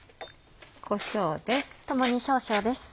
こしょうです。